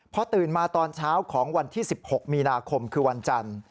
พอตื่นมาตอนเช้าของวันที่๑๖มีนาคมคือวันจันทร์